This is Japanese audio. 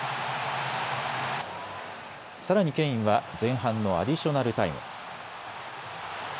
さらにケインは前半のアディショナルタイム。